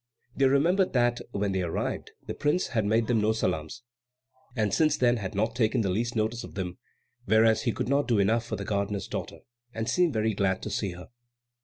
They remembered that, when they arrived, the prince had made them no salaams, and since then had not taken the least notice of them; whereas he could not do enough for the gardener's daughter, and seemed very glad to see her.